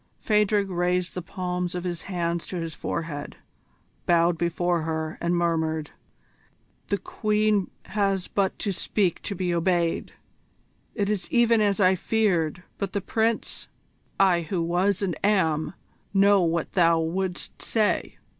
Phadrig raised the palms of his hands to his forehead, bowed before her, and murmured: "The Queen has but to speak to be obeyed! It is even as I feared. But the Prince " "I who was and am, know what thou wouldst say.